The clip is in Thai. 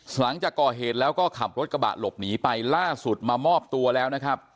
หลังจากก่อเหตุแล้วก็ขับรถกระบะหลบหนีไปล่าสุดมามอบตัวแล้วนะครับ